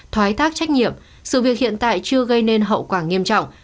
thoái thác trách nhiệm sự việc hiện tại chưa gây nên hậu quả nghiêm trọng